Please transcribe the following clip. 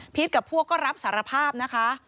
กับพวกก็รับสารภาพนะคะ